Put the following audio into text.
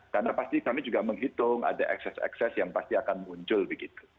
karena pasti kami juga menghitung ada ekses ekses yang pasti akan muncul begitu